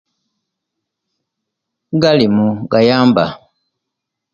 Galimu gayamba